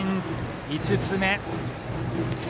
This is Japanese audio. ５つ目。